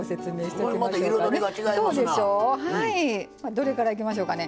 どれからいきましょうかね。